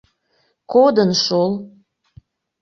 Кодын шол...